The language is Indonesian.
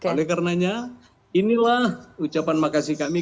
oleh karenanya inilah ucapan makasih kami